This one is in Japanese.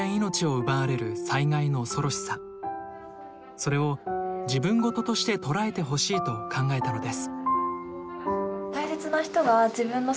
それを自分ごととして捉えてほしいと考えたのです。